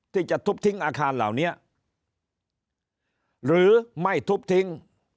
ที่จะทุบทิ้งอาคารเหล่านี้หรือไม่ทุบทิ้ง